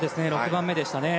６番目でしたね。